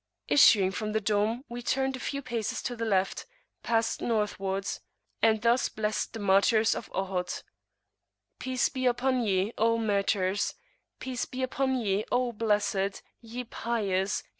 Issuing from the dome, we turned a few paces to the left, passed northwards, and thus blessed the Martyrs of Ohod: "Peace be upon Ye, O Martyrs! Peace be upon Ye, O Blessed! ye Pious!